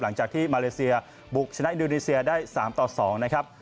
หลังจากที่มาเลเซียบุกชนะอินโดนีเซียได้๓ต่อ๒นะครับ